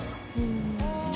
うん。